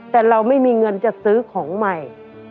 แต่เราไม่มีเงินจะซื้อของใหม่